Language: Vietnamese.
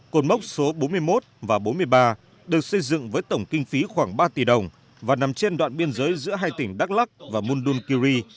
cột mốc số bốn mươi một và bốn mươi ba được xây dựng với tổng kinh phí khoảng ba tỷ đồng và nằm trên đoạn biên giới giữa hai tỉnh đắk lắc và mundunkiri